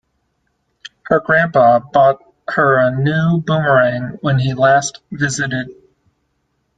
Her grandpa bought her a new boomerang when he last visited.